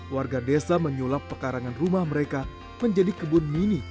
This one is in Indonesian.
warga desa menyulap pekarangan rumah mereka menjadi kebun mini